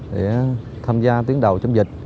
để tham gia tuyến đầu chống dịch